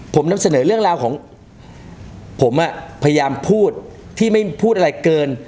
ผมนำเสนอเรื่องราวของผมอ่ะพยายามพูดที่ไม่พูดอะไรเกิน